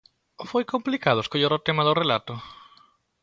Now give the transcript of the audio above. Foi complicado escoller o tema do relato?